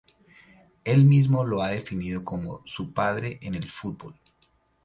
Él mismo lo ha definido como "su padre en el fútbol".